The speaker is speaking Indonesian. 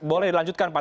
boleh dilanjutkan pak